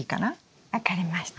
分かりました。